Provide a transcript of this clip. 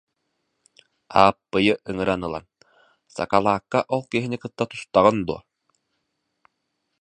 Ааппыйы ыҥыран ылан: «Сакалаакка ол киһини кытта тустаҕын дуо